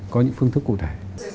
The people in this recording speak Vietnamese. có những phương thức cụ thể